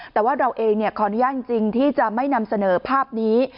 แต่ว่าเราเองขออนุญาตจริงที่จะไม่นำเสนอภาพนี้